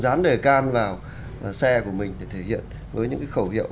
dán đề can vào xe của mình để thể hiện với những khẩu hiệu